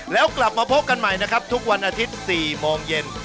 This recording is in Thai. แล้วกลับมาพบกันใหม่นะครับทุกวันอาทิตย์๔โมงเย็น